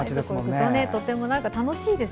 とても楽しいです。